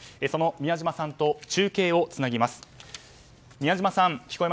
その宮嶋さんと中継をつなぎます。